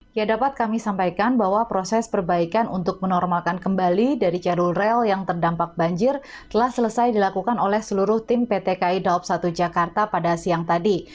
ya dapat kami sampaikan bahwa proses perbaikan untuk menormalkan kembali dari jalur rel yang terdampak banjir telah selesai dilakukan oleh seluruh tim pt kai daob satu jakarta pada siang tadi